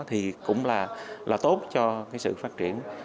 thì cũng là tốt cho cái sự phát triển